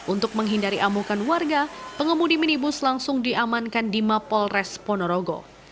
untuk menghindari amukan warga pengemudi minibus langsung diamankan di mapolres ponorogo